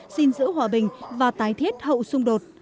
xin giữ hòa bình và tái thiết hậu xung đột